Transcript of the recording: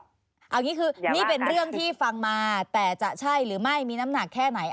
เอาอย่างนี้คือนี่เป็นเรื่องที่ฟังมาแต่จะใช่หรือไม่มีน้ำหนักแค่ไหน